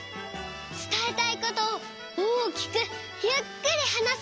つたえたいことを大きくゆっくりはなす。